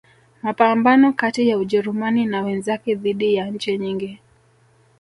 Mapambano kati ya Ujerumani na wenzake dhidi ya nchi nyingi